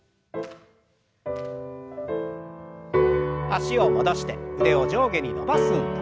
脚を戻して腕を上下に伸ばす運動。